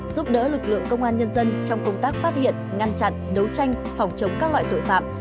giúp đỡ lực lượng công an nhân dân trong công tác phát hiện ngăn chặn đấu tranh phòng chống các loại tội phạm